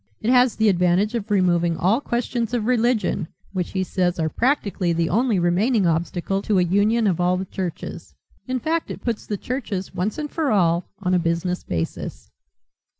It has the advantage of removing all questions of religion, which he says are practically the only remaining obstacle to a union of all the churches. In fact it puts the churches once and for all on a business basis."